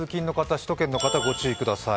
首都圏の方ご注意ください。